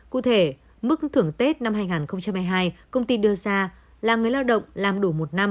cụ thể mức thưởng tết năm hai nghìn hai mươi hai công ty đưa ra là người lao động làm đủ một năm